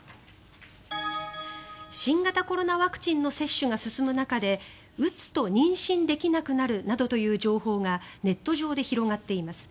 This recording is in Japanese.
新型コロナワクチンの接種が進む中で打つと妊娠できなくなるなどという情報がネット上で広がっています。